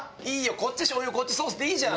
こっち醤油こっちソースでいいじゃん。